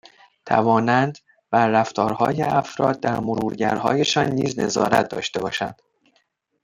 توانند بر رفتارهای افراد در مرورگرهایشان نیز نظارت داشته باشند